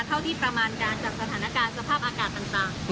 เท่าที่ประมาณการจากสถานการณ์สภาพอากาศต่าง